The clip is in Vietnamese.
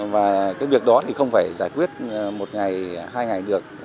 và cái việc đó thì không phải giải quyết một ngày hai ngày được